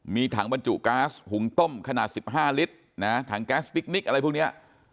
มีถังบรรจุก๊าซหุงต้มขนาด๑๕ลิตรนะถังแก๊สพิคนิคอะไรพวกนี้